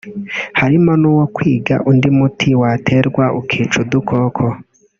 harimo n’uwo kwiga undi muti waterwa ukica udukoko”